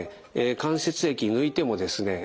関節液抜いてもですね